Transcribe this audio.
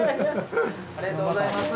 ありがとうございます。